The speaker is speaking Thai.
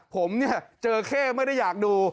ผมเจอเค่ไม่ได้อยากดู